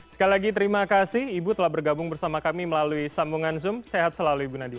sekali lagi terima kasih ibu telah bergabung bersama kami melalui sambungan zoom sehat selalu ibu nadia